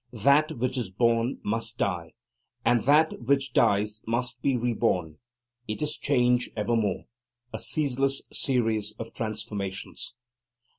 That which is born must die, and that which dies must be reborn. It is change evermore, a ceaseless series of transformations.